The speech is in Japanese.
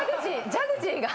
ジャグジーが。